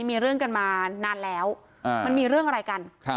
มีเรื่องกันมานานแล้วมันมีเรื่องอะไรกัน